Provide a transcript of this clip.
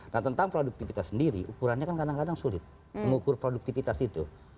nah tentang produktivitas sendiri ukurannya kan kadang kadang sulit mengukur produktivitas itu